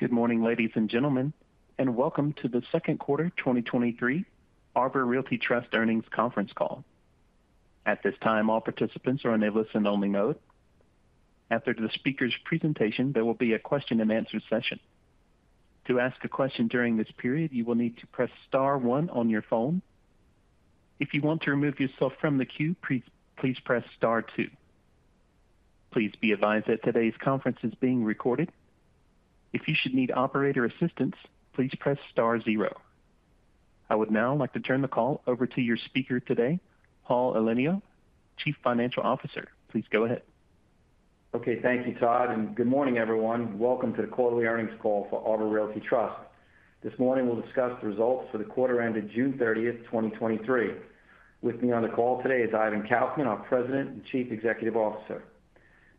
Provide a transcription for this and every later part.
Good morning, ladies and gentlemen, and welcome to the Q2 2023 Arbor Realty Trust Earnings conference call. At this time, all participants are on a listen-only mode. After the speaker's presentation, there will be a question-and-answer session. To ask a question during this period, you will need to press star one on your phone. If you want to remove yourself from the queue, please press star two. Please be advised that today's conference is being recorded. If you should need operator assistance, please press star zero. I would now like to turn the call over to your speaker today, Paul Elenio, Chief Financial Officer. Please go ahead. Okay, thank you, Todd. Good morning, everyone. Welcome to the quarterly earnings call for Arbor Realty Trust. This morning, we'll discuss the results for the quarter ended 30 June 2023. With me on the call today is Ivan Kaufman, our President and Chief Executive Officer.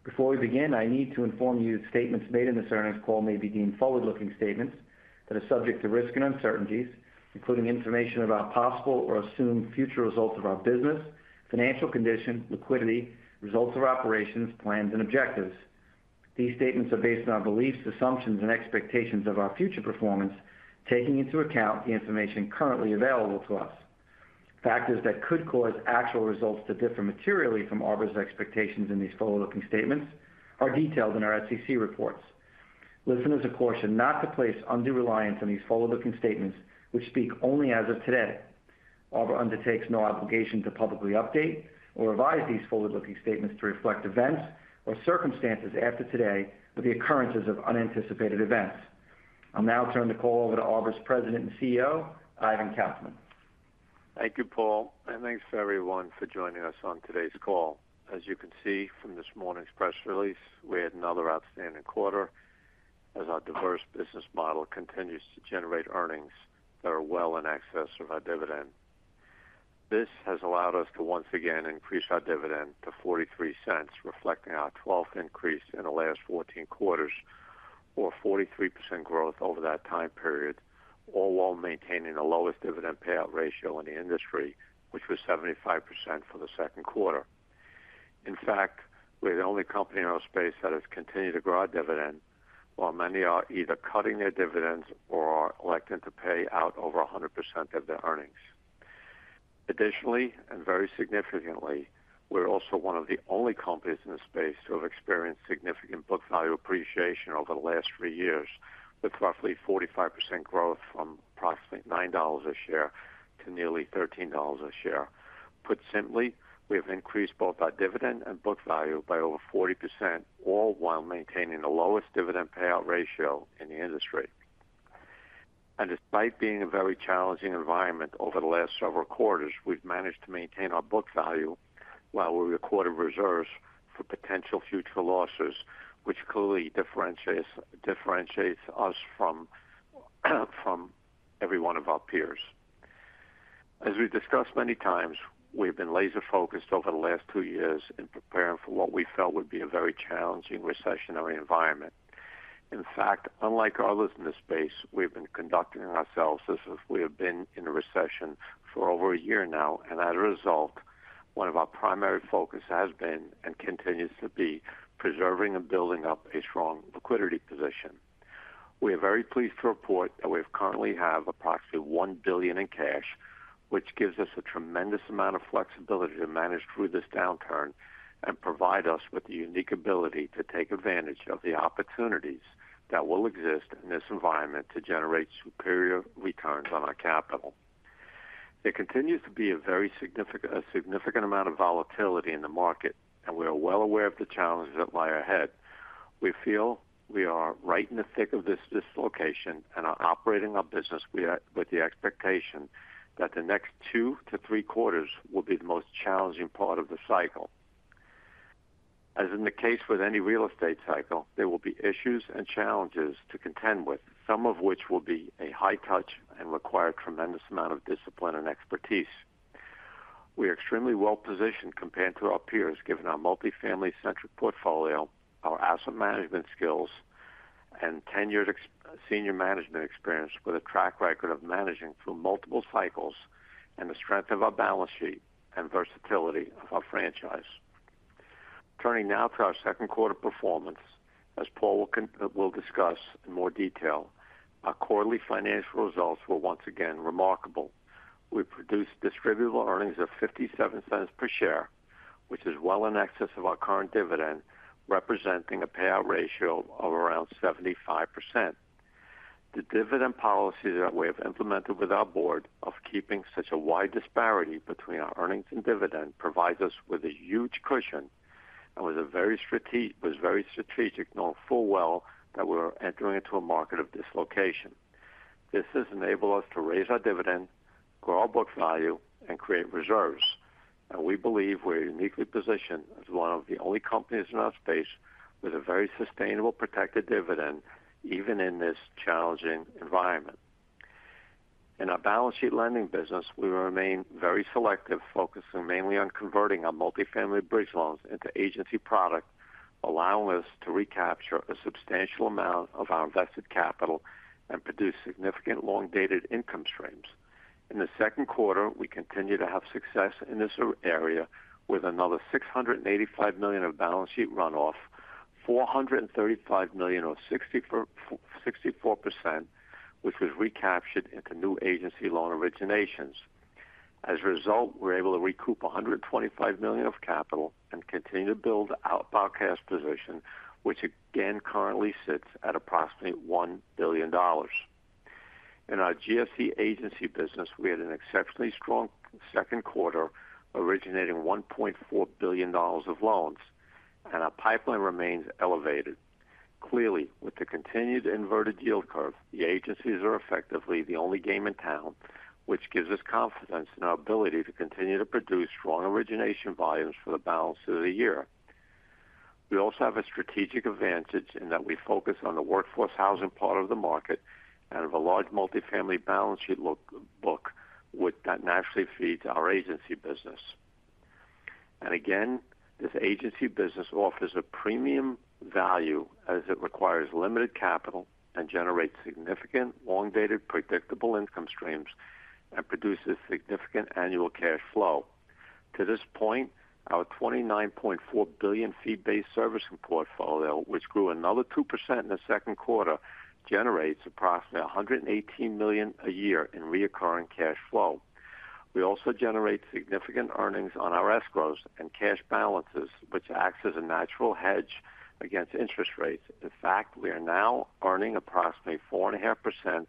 Before we begin, I need to inform you that statements made in this earnings call may be deemed forward-looking statements that are subject to risks and uncertainties, including information about possible or assumed future results of our business, financial condition, liquidity, results of operations, plans, and objectives. These statements are based on our beliefs, assumptions, and expectations of our future performance, taking into account the information currently available to us. Factors that could cause actual results to differ materially from Arbor's expectations in these forward-looking statements are detailed in our SEC reports. Listeners are cautioned not to place undue reliance on these forward-looking statements, which speak only as of today. Arbor undertakes no obligation to publicly update or revise these forward-looking statements to reflect events or circumstances after today with the occurrences of unanticipated events. I'll now turn the call over to Arbor's President and CEO, Ivan Kaufman. Thank you, Paul, and thanks to everyone for joining us on today's call. As you can see from this morning's press release, we had another outstanding quarter, as our diverse business model continues to generate earnings that are well in excess of our dividend. This has allowed us to once again increase our dividend to $0.43, reflecting our 12th increase in the last 14 quarters, or 43% growth over that time period, all while maintaining the lowest dividend payout ratio in the industry, which was 75% for the Q2. In fact, we're the only company in our space that has continued to grow our dividend, while many are either cutting their dividends or are electing to pay out over 100% of their earnings. Additionally, and very significantly, we're also one of the only companies in this space to have experienced significant book value appreciation over the last three years, with roughly 45% growth from approximately $9 a share to nearly $13 a share. Put simply, we have increased both our dividend and book value by over 40%, all while maintaining the lowest dividend payout ratio in the industry. Despite being a very challenging environment over the last several quarters, we've managed to maintain our book value while we recorded reserves for potential future losses, which clearly differentiates us from every one of our peers. As we've discussed many times, we've been laser-focused over the last two years in preparing for what we felt would be a very challenging recessionary environment. In fact, unlike others in this space, we've been conducting ourselves as if we have been in a recession for over a year now, and as a result, one of our primary focus has been, and continues to be, preserving and building up a strong liquidity position. We are very pleased to report that we currently have approximately $1 billion in cash, which gives us a tremendous amount of flexibility to manage through this downturn and provide us with the unique ability to take advantage of the opportunities that will exist in this environment to generate superior returns on our capital. There continues to be a significant amount of volatility in the market, and we are well aware of the challenges that lie ahead. We feel we are right in the thick of this dislocation and are operating our business with the expectation that the next two to three quarters will be the most challenging part of the cycle. As is the case with any real estate cycle, there will be issues and challenges to contend with, some of which will be a high touch and require a tremendous amount of discipline and expertise. We are extremely well positioned compared to our peers, given our multifamily-centric portfolio, our asset management skills, and tenured senior management experience with a track record of managing through multiple cycles and the strength of our balance sheet and versatility of our franchise. Turning now to our Q2 performance, as Paul will discuss in more detail, our quarterly financial results were once again remarkable. We produced distributable earnings of $0.57 per share, which is well in excess of our current dividend, representing a payout ratio of around 75%. The dividend policy that we have implemented with our board of keeping such a wide disparity between our earnings and dividend provides us with a huge cushion and was very strategic, knowing full well that we were entering into a market of dislocation. This has enabled us to raise our dividend, grow our book value, and create reserves. We believe we're uniquely positioned as one of the only companies in our space with a very sustainable protected dividend, even in this challenging environment. In our balance sheet lending business, we remain very selective, focusing mainly on converting our multifamily bridge loans into agency product, allowing us to recapture a substantial amount of our invested capital and produce significant long-dated income streams. In the Q2, we continued to have success in this area, with another $685 million of balance sheet runoff, $435 million, or 64%, which was recaptured into new agency loan originations. As a result, we're able to recoup $125 million of capital and continue to build our cash position, which again, currently sits at approximately $1 billion. In our GSE agency business, we had an exceptionally strong Q2, originating $1.4 billion of loans, and our pipeline remains elevated. Clearly, with the continued inverted yield curve, the agencies are effectively the only game in town, which gives us confidence in our ability to continue to produce strong origination volumes for the balance of the year. We also have a strategic advantage in that we focus on the workforce housing part of the market and have a large multifamily balance sheet look- book that naturally feeds our agency business. Again, this agency business offers a premium value as it requires limited capital and generates significant, long-dated, predictable income streams and produces significant annual cash flow. To this point, our $29.4 billion fee-based servicing portfolio, which grew another 2% in the Q2, generates approximately $118 million a year in recurring cash flow. We also generate significant earnings on our escrows and cash balances, which acts as a natural hedge against interest rates. In fact, we are now earning approximately 4.5%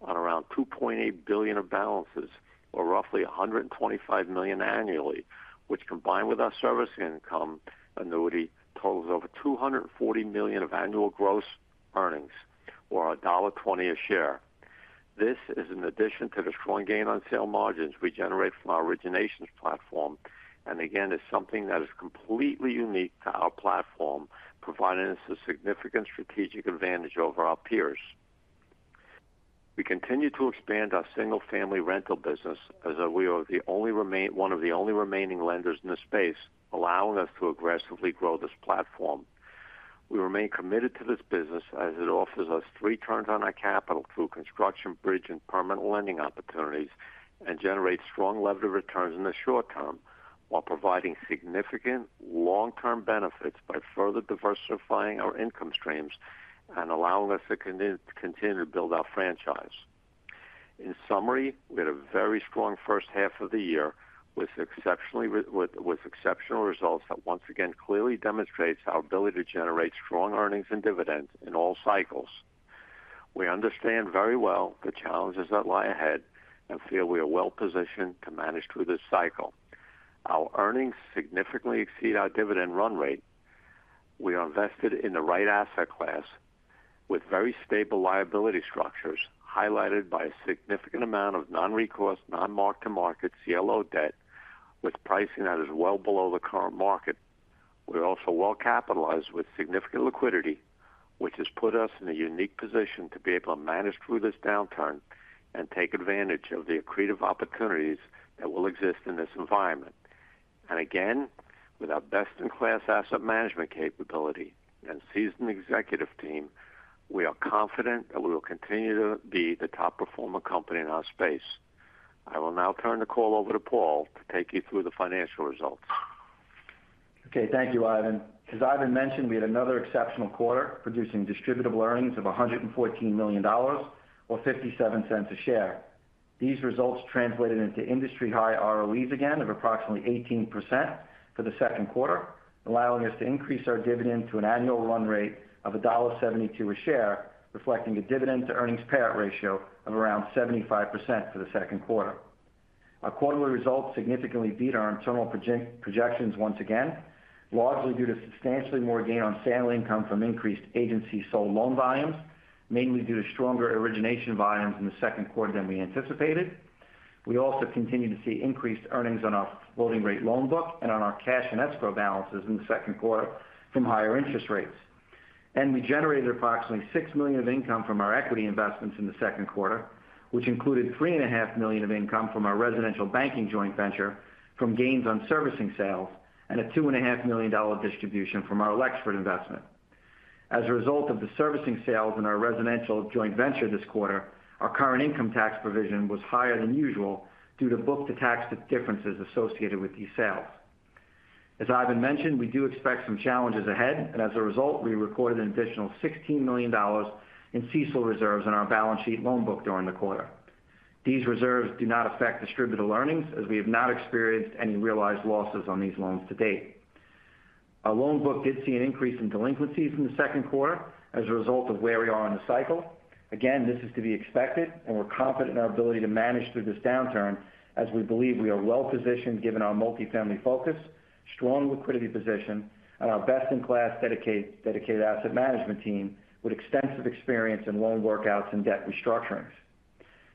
on around $2.8 billion of balances, or roughly $125 million annually, which combined with our servicing income annuity, totals over $240 million of annual gross earnings, or $1.20 a share. This is in addition to the strong gain on sale margins we generate from our originations platform, and again, is something that is completely unique to our platform, providing us a significant strategic advantage over our peers. We continue to expand our single-family rental business as we are the only one of the only remaining lenders in this space, allowing us to aggressively grow this platform. We remain committed to this business as it offers us three turns on our capital through construction, bridge, and permanent lending opportunities, and generates strong levered returns in the short term, while providing significant long-term benefits by further diversifying our income streams and allowing us to continue to build our franchise. In summary, we had a very strong H1 of the year, with exceptionally with exceptional results that once again, clearly demonstrates our ability to generate strong earnings and dividends in all cycles. We understand very well the challenges that lie ahead and feel we are well positioned to manage through this cycle. Our earnings significantly exceed our dividend run rate. We are invested in the right asset class with very stable liability structures, highlighted by a significant amount of non-recourse, non-mark-to-market CLO debt, with pricing that is well below the current market. We're also well capitalized with significant liquidity, which has put us in a unique position to be able to manage through this downturn and take advantage of the accretive opportunities that will exist in this environment. Again, with our best-in-class asset management capability and seasoned executive team, we are confident that we will continue to be the top performer company in our space. I will now turn the call over to Paul to take you through the financial results. Okay, thank you, Ivan. As Ivan mentioned, we had another exceptional quarter, producing distributable earnings of $114 million or $0.57 a share. These results translated into industry-high ROEs again of approximately 18% for the Q2, allowing us to increase our dividend to an annual run rate of $1.72 a share, reflecting a dividend to earnings payout ratio of around 75% for the Q2. Our quarterly results significantly beat our internal projections once again, largely due to substantially more gain on sale income from increased agency sold loan volumes, mainly due to stronger origination volumes in the Q2 than we anticipated. We also continued to see increased earnings on our floating rate loan book and on our cash and escrow balances in the Q2 from higher interest rates. We generated approximately $6 million of income from our equity investments in the Q2, which included $3.5 million of income from our residential banking joint venture from gains on servicing sales, and a $2.5 million distribution from our Lexford investment. As a result of the servicing sales in our residential joint venture this quarter, our current income tax provision was higher than usual due to book to tax differences associated with these sales. As Ivan mentioned, we do expect some challenges ahead, and as a result, we recorded an additional $16 million in CECL reserves on our balance sheet loan book during the quarter. These reserves do not affect distributable earnings, as we have not experienced any realized losses on these loans to date. Our loan book did see an increase in delinquencies in the Q2 as a result of where we are in the cycle. Again, this is to be expected, and we're confident in our ability to manage through this downturn as we believe we are well positioned given our multifamily focus, strong liquidity position, and our best-in-class dedicated asset management team with extensive experience in loan workouts and debt restructurings.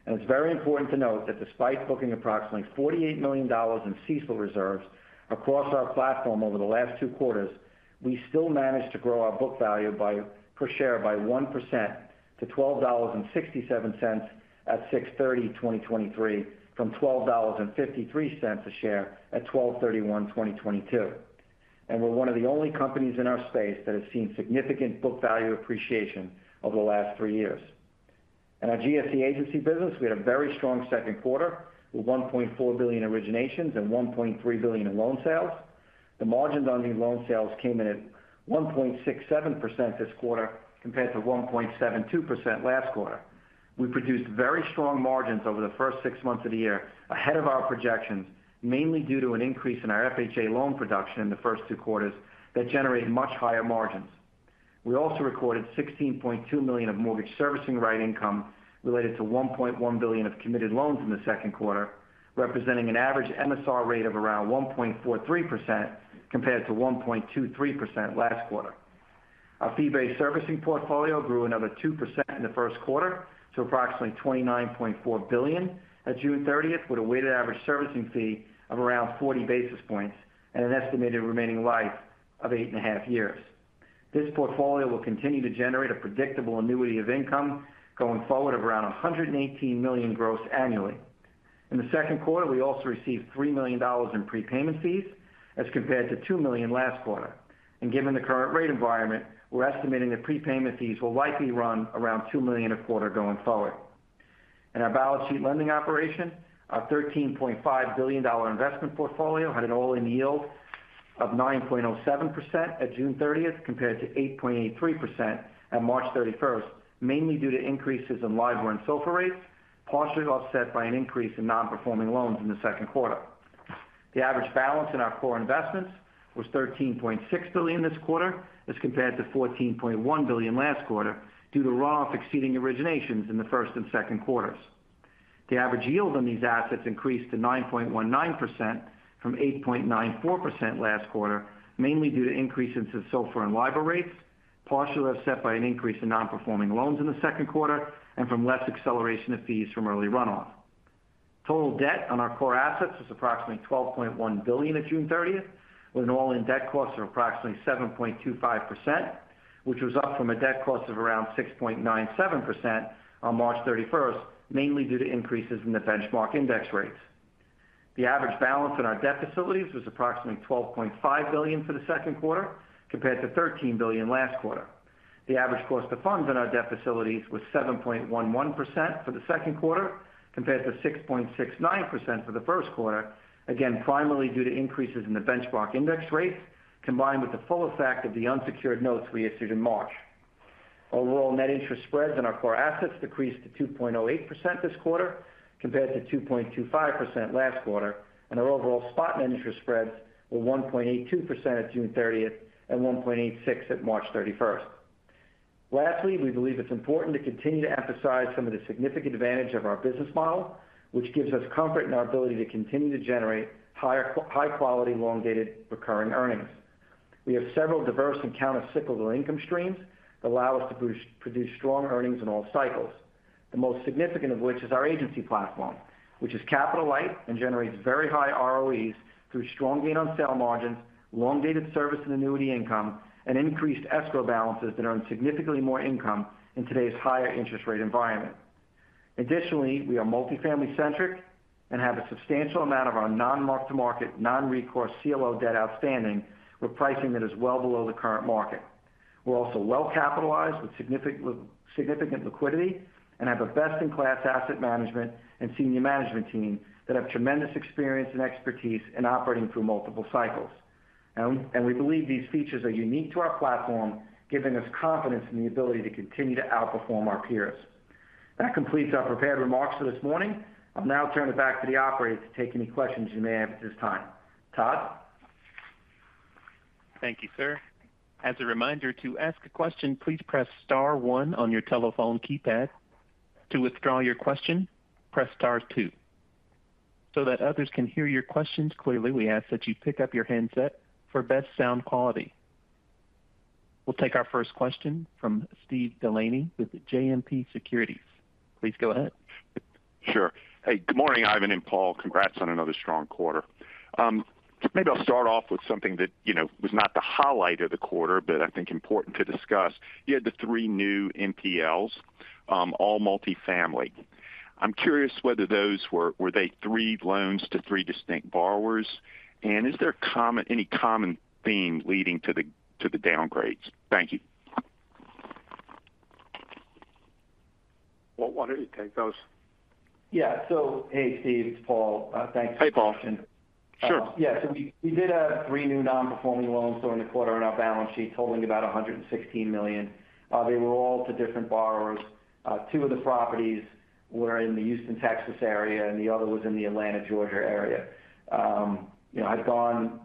It's very important to note that despite booking approximately $48 million in CECL reserves across our platform over the last two quarters, we still managed to grow our book value by, per share by 1% to $12.67 at 30 June 2023, from $12.53 a share at 31 December 2022. We're one of the only companies in our space that has seen significant book value appreciation over the last three years. In our GSE agency business, we had a very strong Q2, with $1.4 billion originations and $1.3 billion in loan sales. The margins on these loan sales came in at 1.67% this quarter, compared to 1.72% last quarter. We produced very strong margins over the first six months of the year, ahead of our projections, mainly due to an increase in our FHA loan production in the first two quarters that generated much higher margins. We also recorded $16.2 million of mortgage servicing rights income, related to $1.1 billion of committed loans in the Q2, representing an average MSR rate of around 1.43%, compared to 1.23% last quarter. Our fee-based servicing portfolio grew another 2% in the Q1, to approximately $29.4 billion at 30 June 2023, with a weighted average servicing fee of around 40 basis points and an estimated remaining life of eight and a half years. This portfolio will continue to generate a predictable annuity of income going forward of around $118 million gross annually. In the Q2, we also received $3 million in prepayment fees, as compared to $2 million last quarter. Given the current rate environment, we're estimating that prepayment fees will likely run around $2 million a quarter going forward. In our balance sheet lending operation, our $13.5 billion investment portfolio had an all-in yield of 9.07% at 30 June 2023, compared to 8.83% at 31 March 2023, mainly due to increases in LIBOR and SOFR rates, partially offset by an increase in non-performing loans in the Q2. The average balance in our core investments was $13.6 billion this quarter, as compared to $14.1 billion last quarter, due to runoff exceeding originations in the Q1 and Q2. The average yield on these assets increased to 9.19% from 8.94% last quarter, mainly due to increases in SOFR and LIBOR rates, partially offset by an increase in non-performing loans in the Q2 and from less acceleration of fees from early runoff. Total debt on our core assets was approximately $12.1 billion at 30 June 2023, with an all-in debt cost of approximately 7.25%, which was up from a debt cost of around 6.97% on 31 March 2023, mainly due to increases in the benchmark index rates. The average balance in our debt facilities was approximately $12.5 billion for the Q2, compared to $13 billion last quarter. The average cost to fund in our debt facilities was 7.11% for the Q2, compared to 6.69% for the Q1. Again, primarily due to increases in the benchmark index rates, combined with the full effect of the unsecured notes we issued in March. Overall, net interest spreads in our core assets decreased to 2.08% this quarter, compared to 2.25% last quarter, and our overall spot net interest spreads were 1.82% at 30 June 2023 and 1.86% at 31 March 2023. Lastly, we believe it's important to continue to emphasize some of the significant advantage of our business model, which gives us comfort in our ability to continue to generate high-quality, long-dated, recurring earnings. We have several diverse and countercyclical income streams that allow us to produce strong earnings in all cycles. The most significant of which is our agency platform, which is capital light and generates very high ROEs through strong gain on sale margins, long-dated service and annuity income, and increased escrow balances that earn significantly more income in today's higher interest rate environment. Additionally, we are multifamily centric and have a substantial amount of our non-mark-to-market, non-recourse CLO debt outstanding, with pricing that is well below the current market. We're also well capitalized with significant, significant liquidity and have a best-in-class asset management and senior management team that have tremendous experience and expertise in operating through multiple cycles. We believe these features are unique to our platform, giving us confidence in the ability to continue to outperform our peers. That completes our prepared remarks for this morning. I'll now turn it back to the operator to take any questions you may have at this time. Todd? Thank you, sir. As a reminder, to ask a question, please press star one on your telephone keypad. To withdraw your question, press star two. That others can hear your questions clearly, we ask that you pick up your handset for best sound quality. We'll take our first question from Steve Delaney with JMP Securities. Please go ahead. Sure. Hey, good morning, Ivan and Paul. Congrats on another strong quarter. Maybe I'll start off with something that, you know, was not the highlight of the quarter, but I think important to discuss. You had the three new NPLs, all multifamily. I'm curious whether those were, were they three loans to three distinct borrowers? Is there a common, any common theme leading to the, to the downgrades? Thank you. Well, why don't you take those? Yeah. Hey, Steve, it's Paul. thanks Hey, Paul. Sure. Yeah. We did three new Non-Performing Loans during the quarter on our balance sheet, totaling about $116 million. They were all to different borrowers. Two of the properties were in the Houston, Texas, area. The other was in the Atlanta, Georgia, area. You know,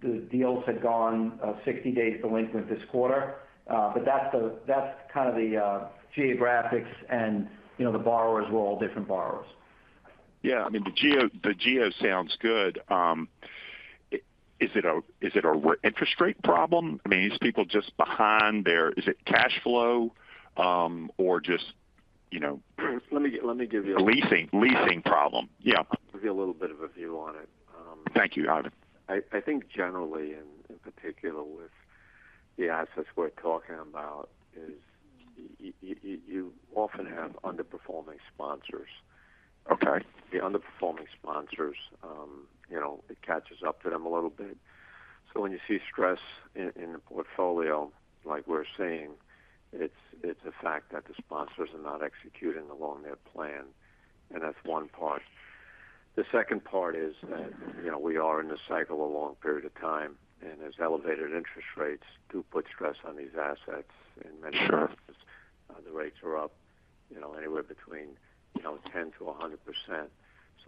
the deals had gone 60 days delinquent this quarter. That's kind of the geographics and, you know, the borrowers were all different borrowers. Yeah, I mean, the geo sounds good. Is it a interest rate problem? I mean, are these people just behind there? Is it cash flow, or just, you know? Let me give you- A leasing, leasing problem. Yeah. Give you a little bit of a view on it. Thank you, Ivan. I think generally, and in particular with. ... the assets we're talking about is, you often have underperforming sponsors. Okay. The underperforming sponsors, you know, it catches up to them a little bit. When you see stress in, in the portfolio, like we're seeing, it's a fact that the sponsors are not executing along their plan, and that's one part. The second part is that, you know, we are in this cycle a long period of time, and as elevated interest rates do put stress on these assets, in many cases, the rates are up, you know, anywhere between, you know, 10% to 100%.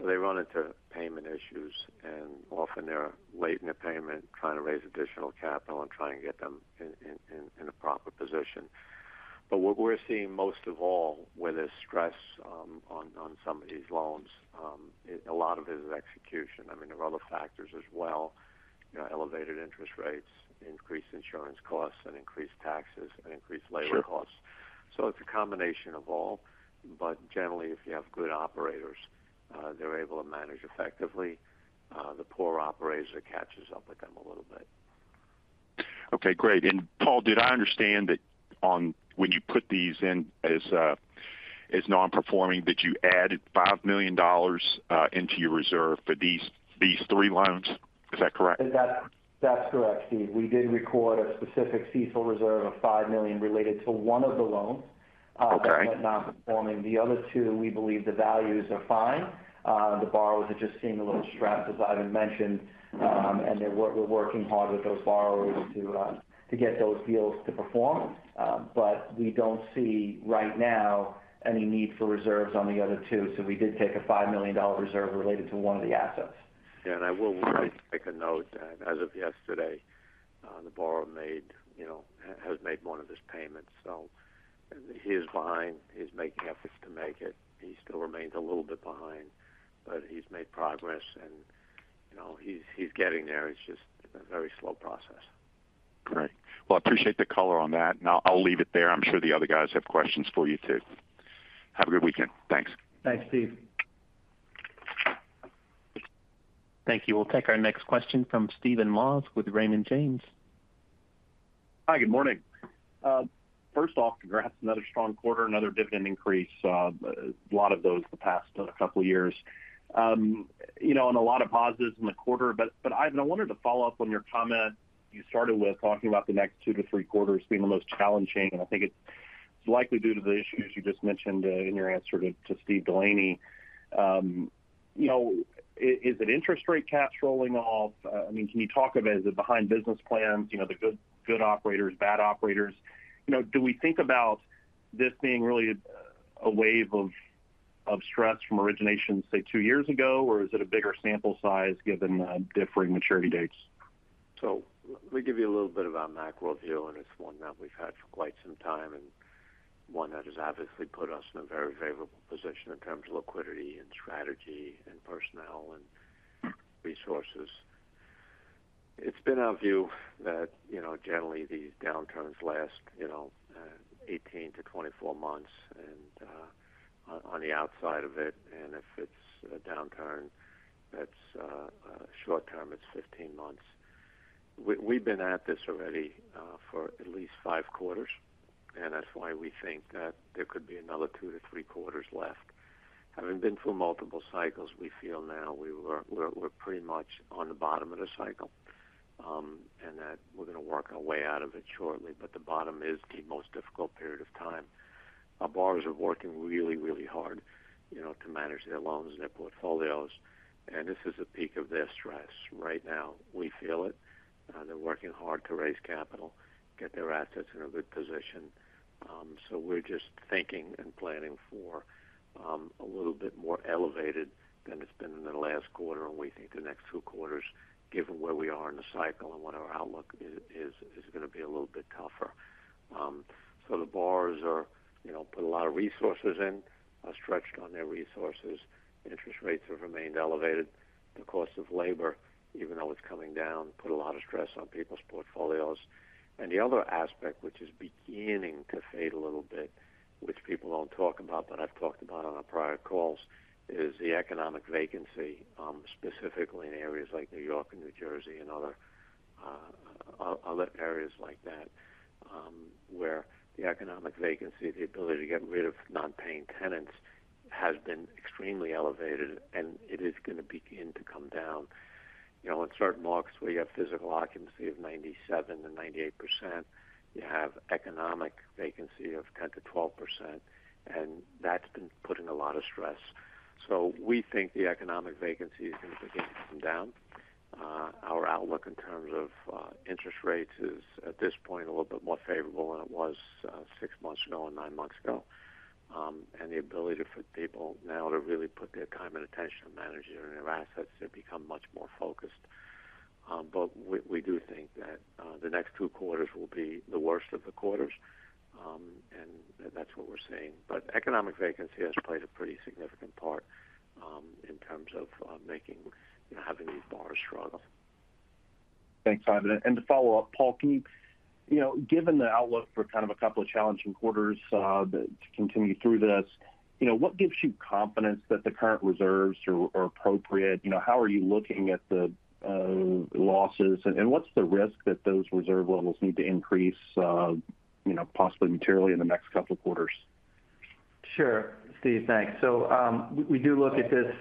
They run into payment issues, and often they're late in their payment, trying to raise additional capital and trying to get them in a proper position. What we're seeing most of all, where there's stress, on, on some of these loans, a lot of it is execution. I mean, there are other factors as well, you know, elevated interest rates, increased insurance costs, and increased taxes, and increased labor costs. Sure. It's a combination of all, but generally, if you have good operators, they're able to manage effectively. The poor operator catches up with them a little bit. Okay, great. Paul, did I understand that on-- when you put these in as non-performing, that you added $5 million into your reserve for these, these three loans? Is that correct? That's correct, Steve. We did record a specific CECL reserve of $5 million related to one of the loans. Okay. that went non-performing. The other two, we believe the values are fine. The borrowers are just seeing a little stressed, as Ivan mentioned, and we're working hard with those borrowers to get those deals to perform. We don't see right now any need for reserves on the other two. We did take a $5 million reserve related to one of the assets. Yeah, I will really make a note. As of yesterday, the borrower made, you know, has made one of his payments, so he is behind. He's making efforts to make it. He still remains a little bit behind, but he's made progress, and, you know, he's, he's getting there. It's just a very slow process. Great. Well, I appreciate the color on that. I'll, I'll leave it there. I'm sure the other guys have questions for you, too. Have a good weekend. Thanks. Thanks, Steve. Thank you. We'll take our next question from Stephen Moss with Raymond James. Hi, good morning. First off, congrats, another strong quarter, another dividend increase, a lot of those in the past couple of years. You know, a lot of pauses in the quarter. Ivan, I wanted to follow up on your comment. You started with talking about the next two to three quarters being the most challenging, and I think it's likely due to the issues you just mentioned in your answer to Steve Delaney. You know, is it interest rate caps rolling off? I mean, can you talk of it as a behind business plans, you know, the good, good operators, bad operators? You know, do we think about this being really a wave of stress from origination, say, 2 years ago, or is it a bigger sample size given the differing maturity dates? Let me give you a little bit of our macro view, and it's one that we've had for quite some time, and one that has obviously put us in a very favorable position in terms of liquidity and strategy and personnel and resources. It's been our view that, you know, generally, these downturns last, you know, 18 to 24 months, and on the outside of it, and if it's a downturn that's short term, it's 15 months. We, we've been at this already for at least five quarters, and that's why we think that there could be another two to three quarters left. Having been through multiple cycles, we feel now we're, we're, we're pretty much on the bottom of the cycle, and that we're going to work our way out of it shortly, but the bottom is the most difficult period of time. Our borrowers are working really, really hard, you know, to manage their loans and their portfolios. This is the peak of their stress right now. We feel it. They're working hard to raise capital, get their assets in a good position. We're just thinking and planning for a little bit more elevated than it's been in the last quarter, and we think the next two quarters, given where we are in the cycle and what our outlook is, is, is going to be a little bit tougher. The borrowers are, you know, put a lot of resources in, are stretched on their resources. Interest rates have remained elevated. The cost of labor, even though it's coming down, put a lot of stress on people's portfolios. The other aspect, which is beginning to fade a little bit, which people don't talk about, but I've talked about on our prior calls, is the economic vacancy, specifically in areas like New York and New Jersey and other areas like that, where the economic vacancy, the ability to get rid of non-paying tenants, has been extremely elevated, and it is going to begin to come down. You know, in certain markets, we have physical occupancy of 97% to 98%. You have economic vacancy of 10% to 12%, and that's been putting a lot of stress. We think the economic vacancy is going to begin to come down. Our outlook in terms of interest rates is, at this point, a little bit more favorable than it was six months ago or nine months ago. The ability for people now to really put their time and attention to managing their assets have become much more focused. We, we do think that, the next two quarters will be the worst of the quarters, and that's what we're seeing. Economic vacancy has played a pretty significant part, in terms of, making, you know, having these borrowers struggle. Thanks, Ivan. To follow up, Paul, can you, you know, given the outlook for kind of a couple of challenging quarters, to continue through this, you know, what gives you confidence that the current reserves are appropriate? You know, how are you looking at the losses? What's the risk that those reserve levels need to increase, you know, possibly materially in the next couple of quarters? Sure, Steve. Thanks. We do look at this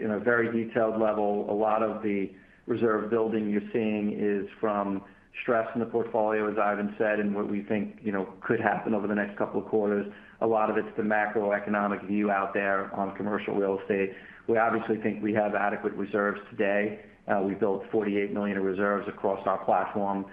in a very detailed level. A lot of the reserve building you're seeing is from stress in the portfolio, as Ivan said, and what we think, you know, could happen over the next couple of quarters. A lot of it's the macroeconomic view out there on commercial real estate. We obviously think we have adequate reserves today. We built $48 million in reserves across our platform,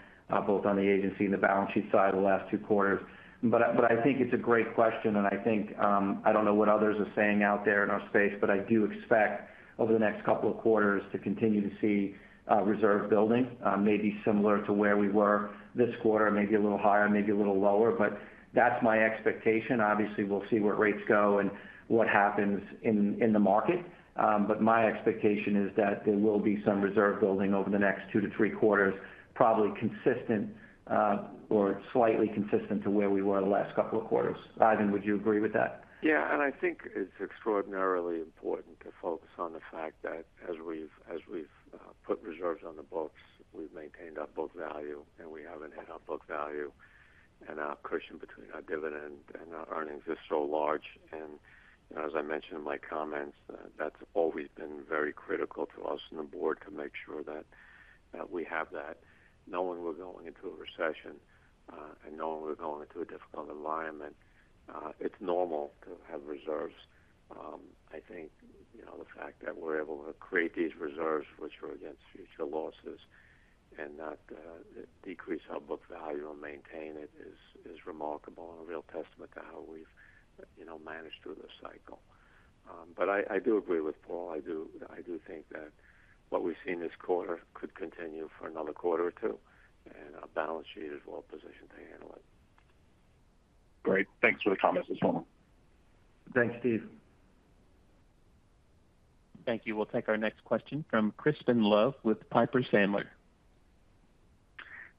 both on the agency and the balance sheet side the last two quarters. I, but I think it's a great question, and I think, I don't know what others are saying out there in our space, but I do expect over the next couple of quarters to continue to see reserve building, maybe similar to where we were this quarter, maybe a little higher, maybe a little lower. That's my expectation. Obviously, we'll see where rates go and what happens in the market. My expectation is that there will be some reserve building over the next two to three quarters, probably consistent or slightly consistent to where we were the last couple of quarters. Ivan, would you agree with that? Yeah, and I think it's extraordinarily important to focus on the fact that as we've, as we've, put reserves on the books, we've maintained our book value, and we haven't had our book value and our cushion between our dividend and our earnings is so large. As I mentioned in my comments, that's always been very critical to us and the board to make sure that, that we have that. Knowing we're going into a recession, and knowing we're going into a difficult environment, it's normal to have reserves. I think, you know, the fact that we're able to create these reserves, which are against future losses, and not decrease our book value and maintain it, is, is remarkable and a real testament to how we've, you know, managed through this cycle. I, I do agree with Paul. I do think that what we've seen this quarter could continue for another quarter or two, and our balance sheet is well positioned to handle it. Great. Thanks for the comments as well. Thanks, Steve. Thank you. We'll take our next question from Crispin Love with Piper Sandler.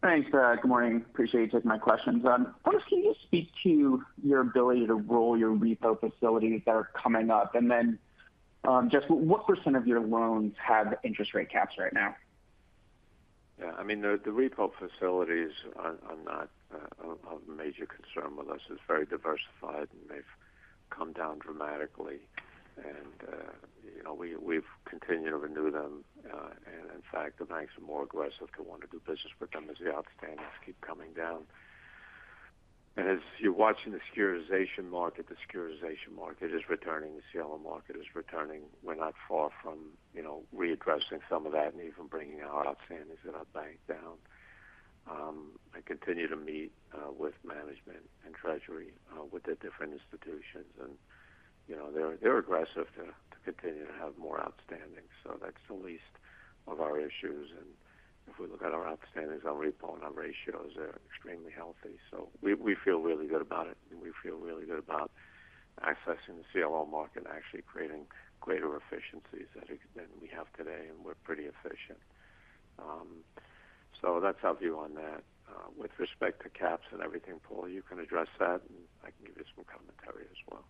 Thanks, good morning. Appreciate you taking my questions. First, can you speak to your ability to roll your repo facilities that are coming up? Then, just what percent of your loans have interest rate caps right now? Yeah, I mean, the repo facilities are not of major concern with us. It's very diversified, they've come down dramatically. You know, we've continued to renew them. In fact, the banks are more aggressive to want to do business with them as the outstandings keep coming down. As you're watching the securitization market, the securitization market is returning, the CLO market is returning. We're not far from, you know, readdressing some of that and even bringing our outstandings at our bank down. I continue to meet with management and treasury with the different institutions, and, you know, they're aggressive to continue to have more outstanding. That's the least of our issues. If we look at our outstandings, our repo and our ratios are extremely healthy. We, we feel really good about it, and we feel really good about accessing the CLO market and actually creating greater efficiencies than, than we have today, and we're pretty efficient. That's our view on that. With respect to caps and everything, Paul, you can address that, and I can give you some commentary as well.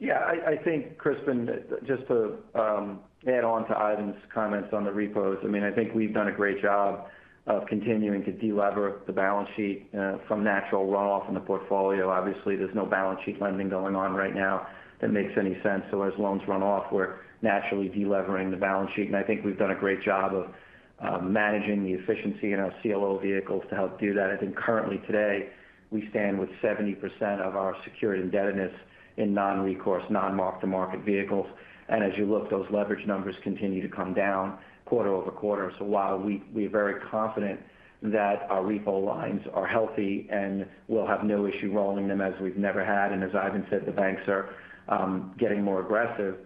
Yeah, I, I think, Crispin, just to add on to Ivan's comments on the repos. I mean, I think we've done a great job of continuing to delever the balance sheet from natural runoff in the portfolio. Obviously, there's no balance sheet lending going on right now that makes any sense. As loans run off, we're naturally delevering the balance sheet, and I think we've done a great job of managing the efficiency in our CLO vehicles to help do that. I think currently today, we stand with 70% of our secured indebtedness in non-recourse, non-mark-to-market vehicles. As you look, those leverage numbers continue to come down quarter-over-quarter. While we- we're very confident that our repo lines are healthy and we'll have no issue rolling them as we've never had, and as Ivan said, the banks are getting more aggressive,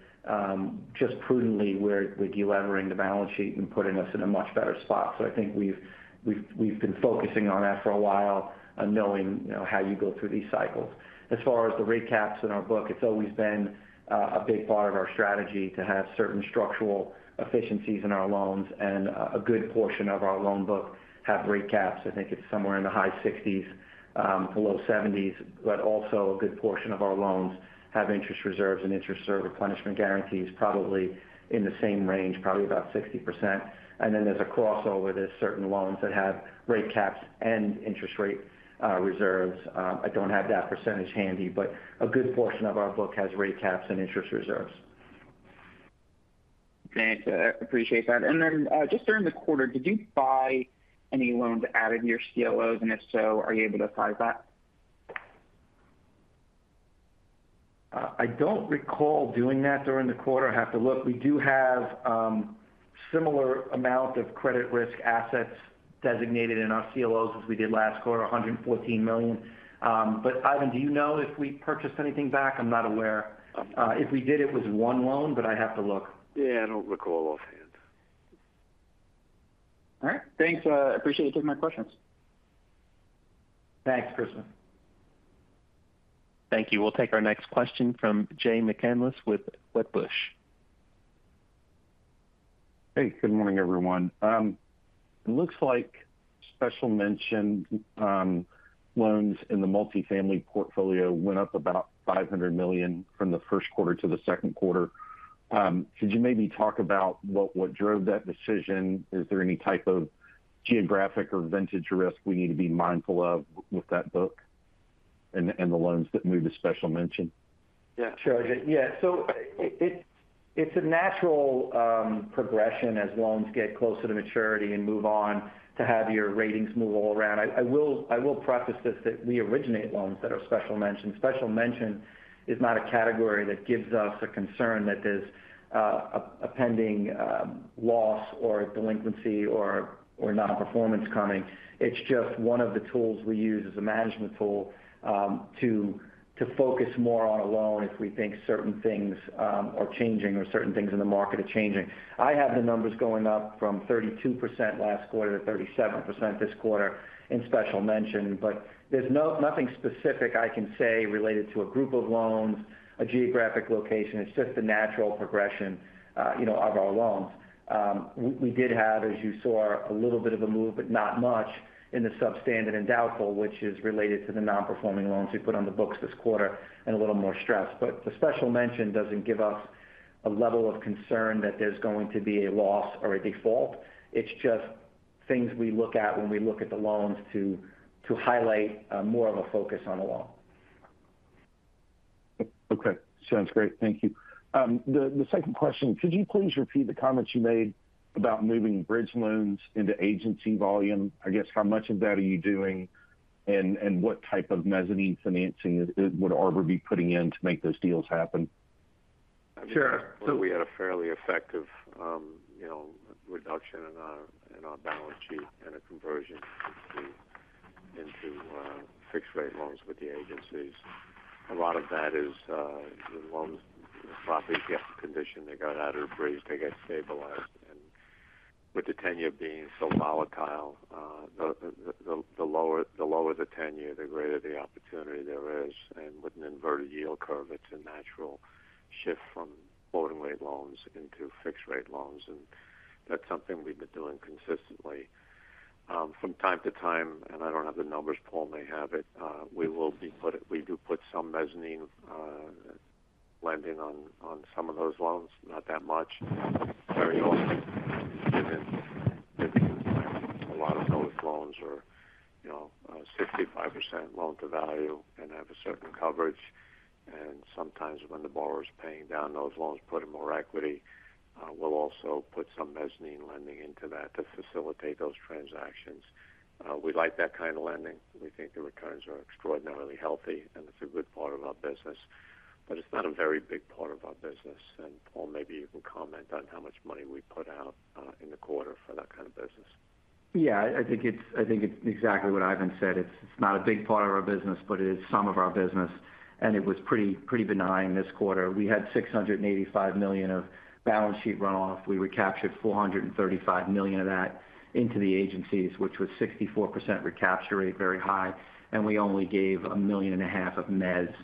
just prudently, we're delevering the balance sheet and putting us in a much better spot. I think we've, we've, we've been focusing on that for a while and knowing, you know, how you go through these cycles. As far as the rate caps in our book, it's always been a big part of our strategy to have certain structural efficiencies in our loans, and a good portion of our loan book have rate caps. I think it's somewhere in the high 60s to low 70s, but also a good portion of our loans have interest reserves and interest reserve replenishment guarantees, probably in the same range, probably about 60%. There's a crossover. There's certain loans that have rate caps and interest rate, reserves. I don't have that percentage handy, but a good portion of our book has rate caps and interest reserves. Thanks. I appreciate that. Just during the quarter, did you buy any loans added to your CLOs? If so, are you able to size that? I don't recall doing that during the quarter. I have to look. We do have similar amount of credit risk assets designated in our CLOs as we did last quarter, $114 million. Ivan, do you know if we purchased anything back? I'm not aware. If we did, it was 1 loan, but I'd have to look. Yeah, I don't recall offhand. All right. Thanks. I appreciate you taking my questions. Thanks, Crispin. Thank you. We'll take our next question from Jay McCanless with Wedbush. Hey, good morning, everyone. It looks like Special Mention loans in the multifamily portfolio went up about $500 million from the Q1 to the Q2. Could you maybe talk about what, what drove that decision? Is there any type of geographic or vintage risk we need to be mindful of with that book and, and the loans that move to Special Mention? Yeah, sure. Yeah, so it, it's a natural progression as loans get closer to maturity and move on to have your ratings move all around. I, I will, I will preface this, that we originate loans that are Special Mention. Special Mention is not a category that gives us a concern that there's a pending loss or a delinquency or non-performance coming. It's just one of the tools we use as a management tool to focus more on a loan if we think certain things are changing or certain things in the market are changing. I have the numbers going up from 32% last quarter to 37% this quarter in Special Mention, but there's nothing specific I can say related to a group of loans, a geographic location. It's just the natural progression, you know, of our loans. We, we did have, as you saw, a little bit of a move, but not much, in the Substandard and Doubtful, which is related to the non-performing loans we put on the books this quarter and a little more stress. The Special Mention doesn't give us a level of concern that there's going to be a loss or a default. It's just things we look at when we look at the loans to, to highlight, more of a focus on the loan. Okay. Sounds great. Thank you. The second question, could you please repeat the comments you made about moving bridge loans into agency volume? I guess, how much of that are you doing? What type of mezzanine financing would Arbor be putting in to make those deals happen? Sure. We had a fairly effective, you know, reduction in our, in our balance sheet and a conversion into, into fixed-rate loans with the agencies. A lot of that is the loans, the properties get in condition, they got out of breach, they get stabilized. And with the tenure being so volatile, the, the, the lower, the lower the tenure, the greater the opportunity there is. And with an inverted yield curve, it's a natural shift from floating-rate loans into fixed-rate loans, and that's something we've been doing consistently. From time to time, and I don't have the numbers, Paul may have it, we will be put-- we do put some mezzanine lending on, on some of those loans, not that much. A lot of those loans are, you know, 65% loan-to-value and have a certain coverage. Sometimes when the borrower is paying down those loans, put in more equity, we'll also put some mezzanine lending into that to facilitate those transactions. We like that kind of lending. We think the returns are extraordinarily healthy, and it's a good part of our business, but it's not a very big part of our business. Paul, maybe you can comment on how much money we put out in the quarter for that kind of business. Yeah, I think it's, I think it's exactly what Ivan said. It's not a big part of our business, but it is some of our business, and it was pretty, pretty benign this quarter. We had $685 million of balance sheet runoff. We recaptured $435 million of that into the agencies, which was 64% recapture rate, very high. We only gave $1.5 million of mezz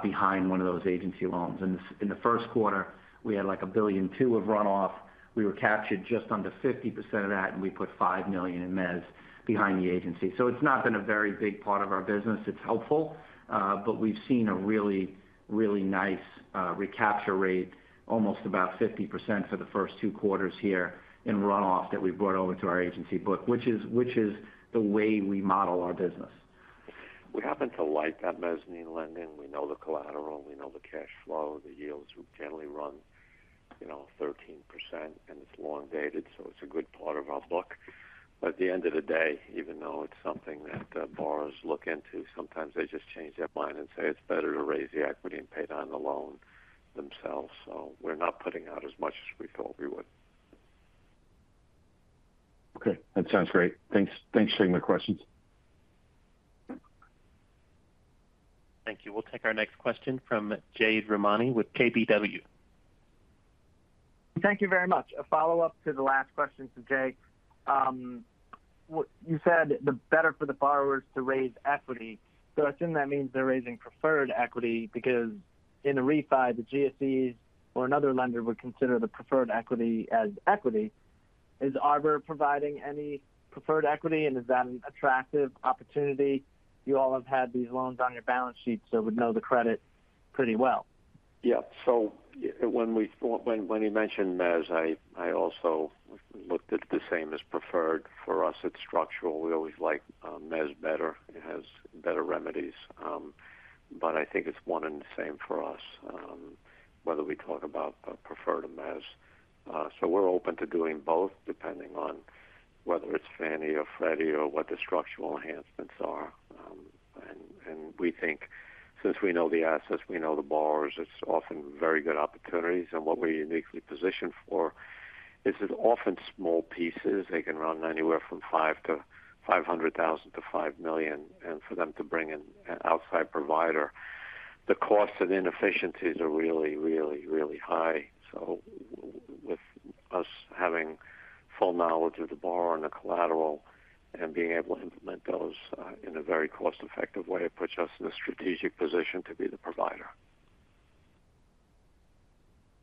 behind one of those agency loans. In the Q1, we had, like, $1.2 billion of runoff. We recaptured just under 50% of that, and we put $5 million in mezz behind the agency. It's not been a very big part of our business. It's helpful, but we've seen a really, really nice recapture rate, almost about 50% for the first two quarters here in runoff that we've brought over to our agency book, which is, which is the way we model our business. We happen to like that mezzanine lending. We know the collateral, we know the cash flow, the yields, we generally run, you know, 13%, and it's long-dated, so it's a good part of our book. At the end of the day, even though it's something that borrowers look into, sometimes they just change their mind and say it's better to raise the equity and pay down the loan themselves. We're not putting out as much as we thought we would. Okay, that sounds great. Thanks. Thanks for taking the questions. Thank you. We'll take our next question from Jay Ramani with KBW. Thank you very much. A follow-up to the last question from Jay. You said, the better for the borrowers to raise equity. I assume that means they're raising preferred equity because in a refi, the GSE or another lender would consider the preferred equity as equity. Is Arbor providing any preferred equity, and is that an attractive opportunity? You all have had these loans on your balance sheet, so would know the credit pretty well. Yeah. When, when he mentioned mezz, I, I also looked at the same as preferred. For us, it's structural. We always like mezz better. It has better remedies. I think it's one and the same for us, whether we talk about preferred or mezz. We're open to doing both, depending on whether it's Fannie or Freddie or what the structural enhancements are. And we think since we know the assets, we know the borrowers, it's often very good opportunities. What we're uniquely positioned for is that often small pieces, they can run anywhere from $500,000 to $5 million. And for them to bring in an outside provider, the costs and inefficiencies are really, really, really high. With us having full knowledge of the borrower and the collateral and being able to implement those, in a very cost-effective way, it puts us in a strategic position to be the provider.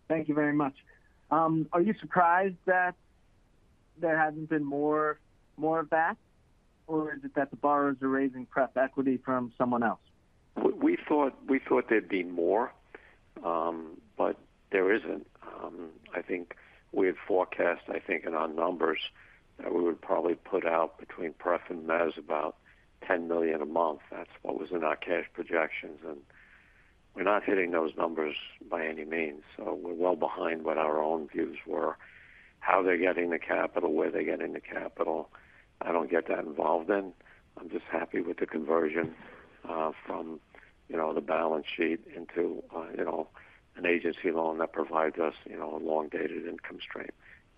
Thank you very much. Are you surprised there hasn't been more, more of that? Or is it that the borrowers are raising pref equity from someone else? We thought, we thought there'd be more, but there isn't. I think we had forecast, I think, in our numbers, that we would probably put out between pref and mezz about $10 million a month. That's what was in our cash projections, and we're not hitting those numbers by any means, so we're well behind what our own views were. How they're getting the capital, where they're getting the capital, I don't get that involved in. I'm just happy with the conversion, from, you know, the balance sheet into, you know, an agency loan that provides us, you know, a long-dated income stream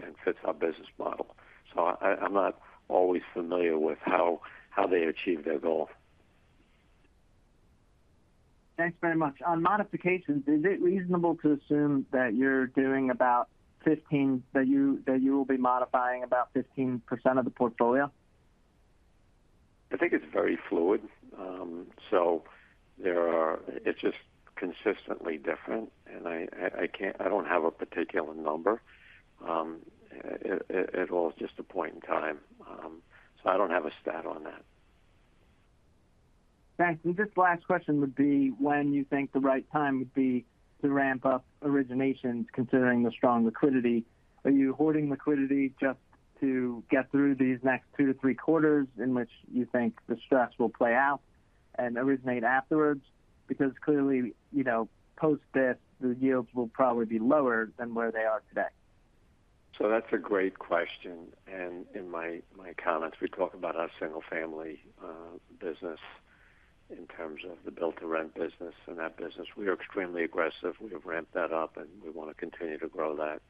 and fits our business model. I'm not always familiar with how they achieve their goal. Thanks very much. On modifications, is it reasonable to assume that you will be modifying about 15% of the portfolio? I think it's very fluid. It's just consistently different, and I don't have a particular number. It all is just a point in time. I don't have a stat on that. Thanks. This last question would be, when you think the right time would be to ramp up originations, considering the strong liquidity. Are you hoarding liquidity just to get through these next two to three quarters in which you think the stress will play out and originate afterwards? Clearly, you know, post this, the yields will probably be lower than where they are today. That's a great question, and in my, my comments, we talk about our single-family business in terms of the build-to-rent business. In that business, we are extremely aggressive. We have ramped that up, and we want to continue to grow that.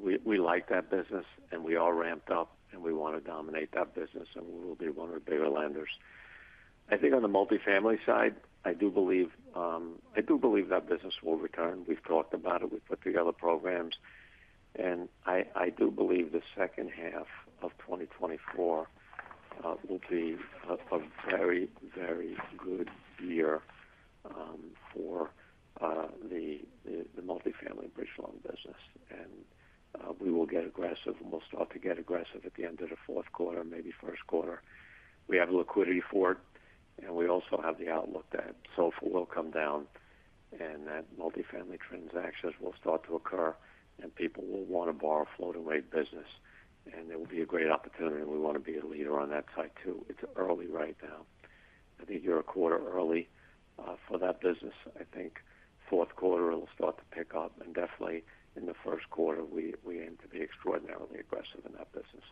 We, we like that business, and we are ramped up, and we want to dominate that business, and we will be one of the bigger lenders. I think on the multifamily side, I do believe, I do believe that business will return. We've talked about it. We've put together programs, and I do believe the H2 of 2024 will be a very, very good year for the multifamily bridge loan business. We will get aggressive, and we'll start to get aggressive at the end of the Q4, maybe Q1. We have the liquidity for it, and we also have the outlook that. It will come down. That multifamily transactions will start to occur. People will want to borrow flow business. It will be a great opportunity. We want to be a leader on that side, too. It's early right now. I think you're one quarter early, for that business. I think Q4, it'll start to pick up, and definitely in the Q1, we, we aim to be extraordinarily aggressive in that business.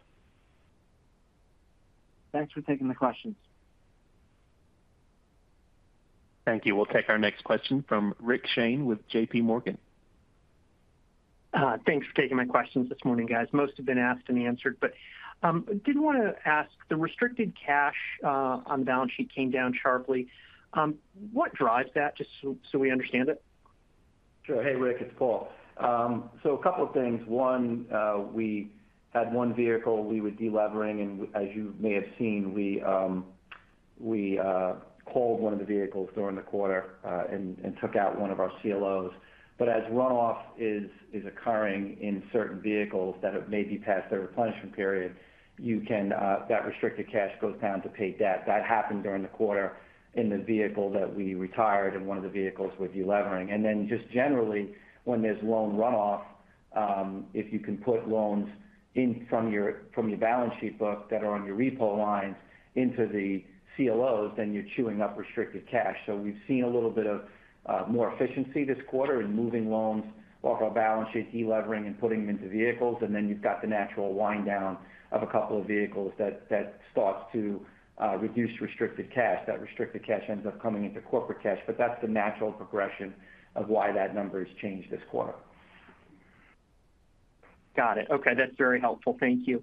Thanks for taking the questions. Thank you. We'll take our next question from Rick Shane with JPMorgan. Thanks for taking my questions this morning, guys. Most have been asked and answered, but did want to ask, the restricted cash on the balance sheet came down sharply. What drives that, just so, so we understand it? Sure. Hey, Rick, it's Paul. A couple of things. One, we had one vehicle we were delevering, and as you may have seen, we, we pulled one of the vehicles during the quarter, and, and took out one of our CLOs. As runoff is, is occurring in certain vehicles that have maybe passed their replenishment period, you can, that restricted cash goes down to pay debt. That happened during the quarter in the vehicle that we retired and one of the vehicles with delevering. Just generally, when there's loan runoff, if you can put loans in from your, from your balance sheet book that are on your repo lines into the CLOs, then you're chewing up restricted cash. We've seen a little bit of more efficiency this quarter in moving loans off our balance sheet, delevering and putting them into vehicles. You've got the natural wind down of 2 vehicles that, that starts to reduce restricted cash. That restricted cash ends up coming into corporate cash. That's the natural progression of why that number has changed this quarter. Got it. Okay, that's very helpful. Thank you.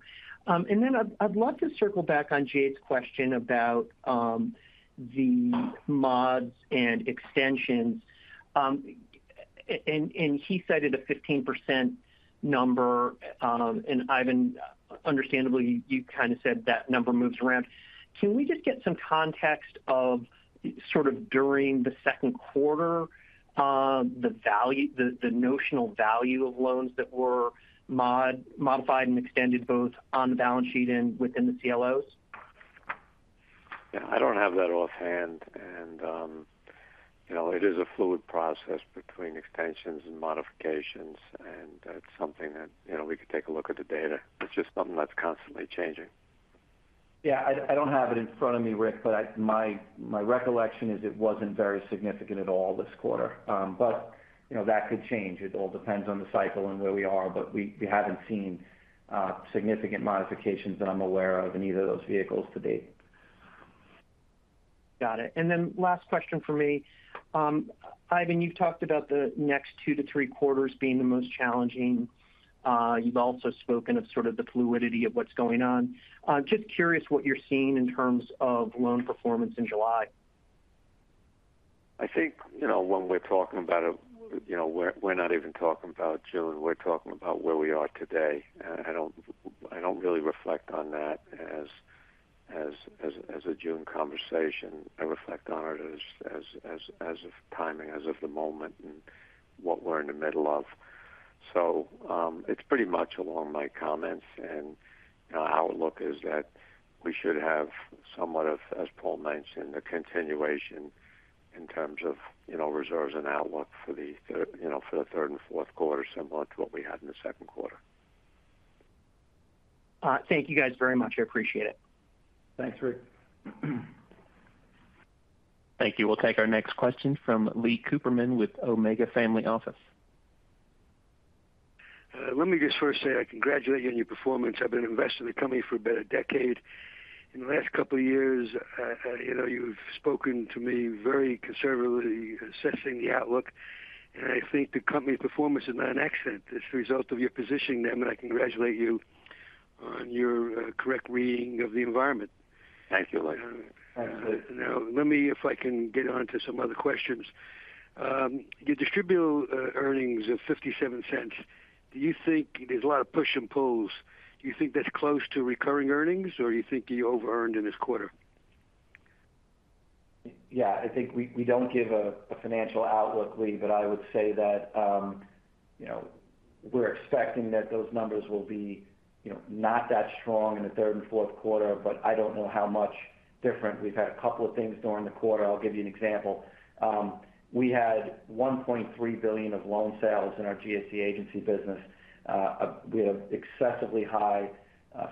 I'd love to circle back on Jay's question about the mods and extensions. He cited a 15% number, and Ivan, understandably, you kind of said that number moves around. Can we just get some context of sort of during the Q2, the value, the notional value of loans that were modified and extended, both on the balance sheet and within the CLOs? Yeah, I don't have that offhand. You know, it is a fluid process between extensions and modifications, and that's something that, you know, we could take a look at the data. It's just something that's constantly changing. Yeah, I, I don't have it in front of me, Rick, but my, my recollection is it wasn't very significant at all this quarter. You know, that could change. It all depends on the cycle and where we are, but we, we haven't seen significant modifications that I'm aware of in either of those vehicles to date. Got it. Then last question for me. Ivan, you've talked about the next two to three quarters being the most challenging. You've also spoken of sort of the fluidity of what's going on. I'm just curious what you're seeing in terms of loan performance in July. I think, you know, when we're talking about it, you know, we're, we're not even talking about June. We're talking about where we are today. I don't really reflect on that as a June conversation. I reflect on it as of timing, as of the moment, and what we're in the middle of. It's pretty much along my comments, and, you know, our outlook is that we should have somewhat of, as Paul mentioned, a continuation in terms of, you know, reserves and outlook for the Q3 and Q4, similar to what we had in the Q2. Thank you guys very much. I appreciate it. Thanks, Rick. Thank you. We'll take our next question from Lee Cooperman with Omega Family Office. Let me just first say, I congratulate you on your performance. I've been invested in the company for about a decade. In the last couple of years, you know, you've spoken to me very conservatively assessing the outlook, and I think the company's performance is not an accident. It's the result of your positioning them, and I congratulate you on your correct reading of the environment. Thank you, Lee. Now, if I can get on to some other questions. You distribute, earnings of $0.57. Do you think there's a lot of push and pulls? Do you think that's close to recurring earnings, or do you think you overearned in this quarter? Yeah, I think we, we don't give a, a financial outlook, Lee, but I would say that, you know, we're expecting that those numbers will be, you know, not that strong in the third and Q4, but I don't know how much different. We've had a couple of things during the quarter. I'll give you an example. We had $1.3 billion of loan sales in our GSE agency business. We have excessively high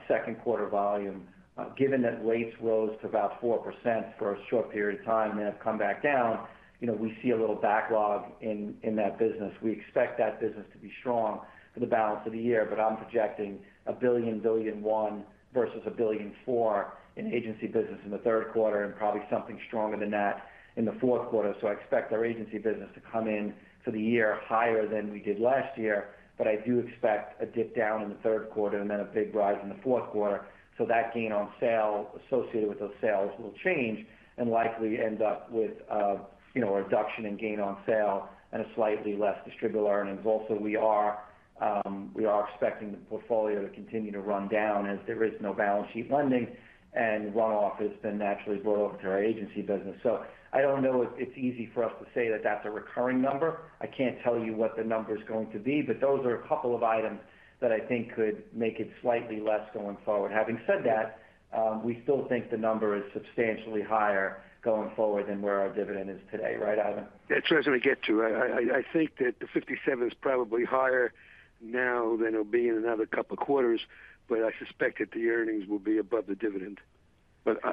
Q2 volume. Given that rates rose to about 4% for a short period of time and have come back down, you know, we see a little backlog in, in that business. We expect that business to be strong for the balance of the year. I'm projecting $1.1 billion versus $1.4 billion in agency business in the Q3, and probably something stronger than that in the Q4. I expect our agency business to come in for the year higher than we did last year, but I do expect a dip down in the Q3 and then a big rise in the Q4. That gain on sale associated with those sales will change and likely end up with, you know, a reduction in gain on sale and a slightly less distributable earnings. Also, we are expecting the portfolio to continue to run down as there is no balance sheet lending, and run-off has been naturally blown over to our agency business. I don't know if it's easy for us to say that that's a recurring number. I can't tell you what the number is going to be, but those are a couple of items that I think could make it slightly less going forward. Having said that, we still think the number is substantially higher going forward than where our dividend is today. Right, Ivan? Yeah, that's what I was going to get to. I think that the $0.57 is probably higher now than it'll be in another couple of quarters, but I suspect that the earnings will be above the dividend.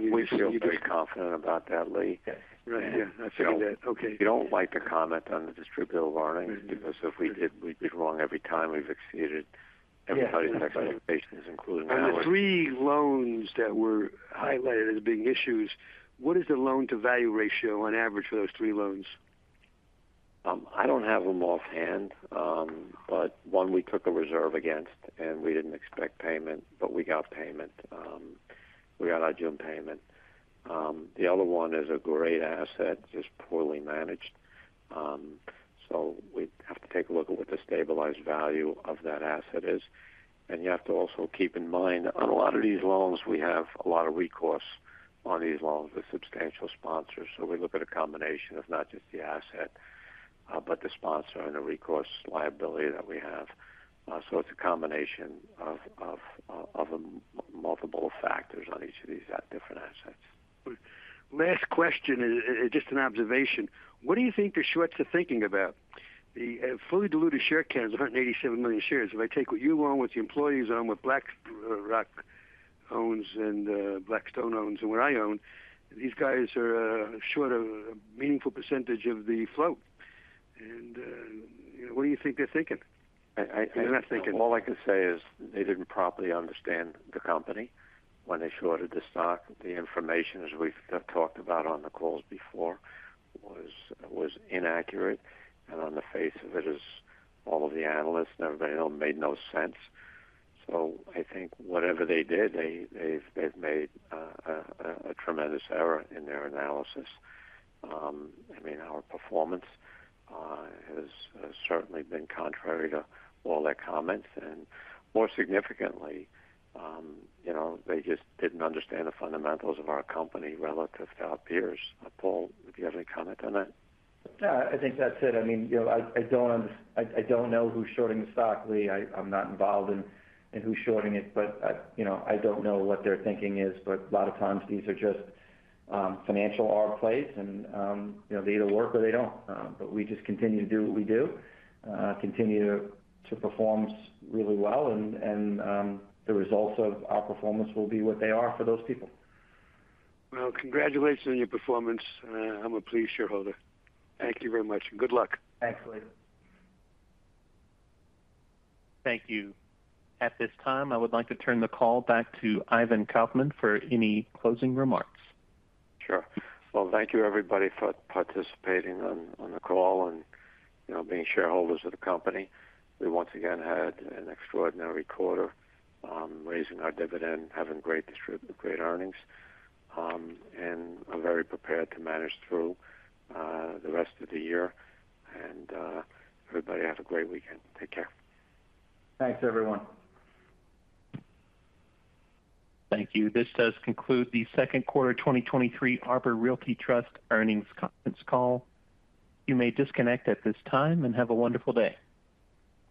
We feel very confident about that, Lee. Right. Yeah, I figured that. Okay. We don't like to comment on the distributable earnings, because if we did, we'd be wrong every time. We've exceeded everybody's expectations, including ours. On the three loans that were highlighted as being issues, what is the loan-to-value ratio on average for those three loans? I don't have them offhand, but one we took a reserve against, and we didn't expect payment, but we got payment. We got our June payment. The other one is a great asset, just poorly managed. We have to take a look at what the stabilized value of that asset is. You have to also keep in mind, on a lot of these loans, we have a lot of recourse on these loans with substantial sponsors. We look at a combination of not just the asset, but the sponsor and the recourse liability that we have. It's a combination of multiple factors on each of these, different assets. Last question is, is just an observation. What do you think the shorts are thinking about? The fully diluted share count is 187 million shares. If I take what you own, what the employees own, what BlackRock owns and Blackstone owns, and what I own, these guys are short of a meaningful percentage of the float. What do you think they're thinking? They're not thinking. All I can say is they didn't properly understand the company when they shorted the stock. The information, as we've talked about on the calls before was inaccurate, and on the face of it, as all of the analysts and everybody know, made no sense. I think whatever they did, they've made a tremendous error in their analysis. I mean, our performance has certainly been contrary to all their comments, and more significantly, you know, they just didn't understand the fundamentals of our company relative to our peers. Paul, would you have any comment on that? I think that's it. I mean, you know, I, I don't know who's shorting the stock, Lee. I, I'm not involved in, in who's shorting it, but, you know, I don't know what their thinking is, but a lot of times these are just, financial arb plays, and, you know, they either work or they don't. But we just continue to do what we do, continue to, to perform really well, and the results of our performance will be what they are for those people. Well, congratulations on your performance. I'm a pleased shareholder. Thank you very much, and good luck. Thanks, Lee. Thank you. At this time, I would like to turn the call back to Ivan Kaufman for any closing remarks. Sure. Well, thank you, everybody, for participating on the call and, you know, being shareholders of the company. We once again had an extraordinary quarter, raising our dividend, having great great earnings, and I'm very prepared to manage through the rest of the year. Everybody, have a great weekend. Take care. Thanks, everyone. Thank you. This does conclude the Q2 2023 Arbor Realty Trust earnings conference call. You may disconnect at this time. Have a wonderful day.